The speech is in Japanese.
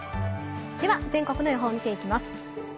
では全国の予報を見ていきます。